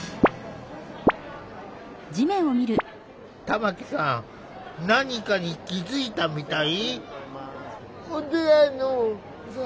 玉木さん何かに気付いたみたい。